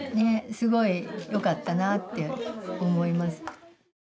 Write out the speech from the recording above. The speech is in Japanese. すごいよかったなって思います。